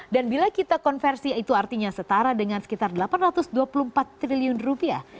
dan bila kita konversi itu artinya setara dengan sekitar delapan ratus dua puluh empat triliun rupiah